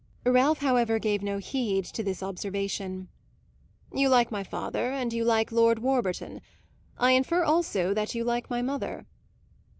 Ralph, however, gave no heed to this observation. "You like my father and you like Lord Warburton. I infer also that you like my mother."